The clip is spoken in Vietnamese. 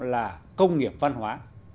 là công nghiệp văn hóa